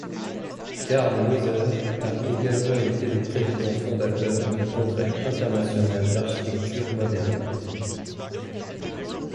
Karl Moser a également été le président fondateur du Congrès international d'architecture moderne.